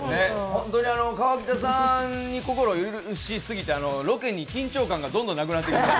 河北さんに心を許しすぎて、ロケに緊張感がどんどんなくなっていきます。